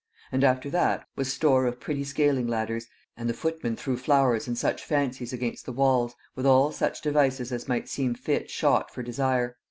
And after that, was store of pretty scaling ladders, and the footmen threw flowers and such fancies against the walls, with all such devices as might seem fit shot for Desire.